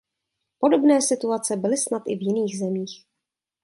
Podobné situace byly snad i v jiných zemích.